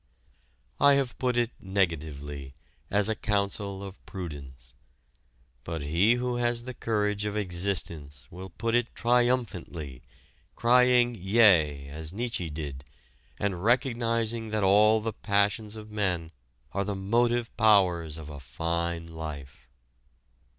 I have put it negatively, as a counsel of prudence. But he who has the courage of existence will put it triumphantly, crying "yea" as Nietzsche did, and recognizing that all the passions of men are the motive powers of a fine life.